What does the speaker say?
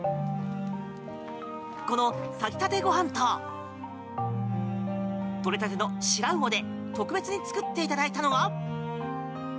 この炊きたてご飯と取れたてのシラウオで特別に作っていただいたのが。